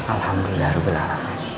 alhamdulillah rupiah allah